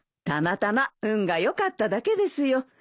たまたま運が良かっただけですよ。